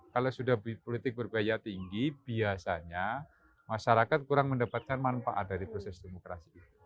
kalau sudah politik berbiaya tinggi biasanya masyarakat kurang mendapatkan manfaat dari proses demokrasi ini